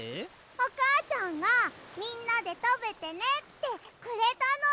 おかあちゃんがみんなでたべてねってくれたの！